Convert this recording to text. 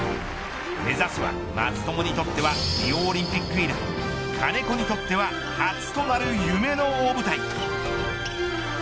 目指すは松友にとってはリオオリンピック以来金子にとっては初となる夢の大舞台。